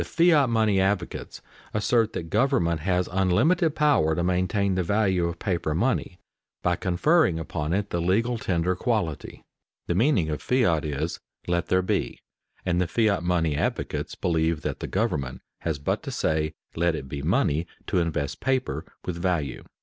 _The fiat money advocates assert that government has unlimited power to maintain the value of paper money by conferring upon it the legal tender quality._ The meaning of fiat is "let there be," and the fiat money advocates believe that the government has but to say, "let it be money," to invest paper with value.